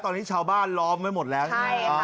ตอนนี้ชาวบ้านล้อมไว้หมดแล้วใช่ไหม